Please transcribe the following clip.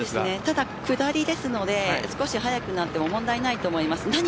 ただ下りですので少し早くても問題ないと思います。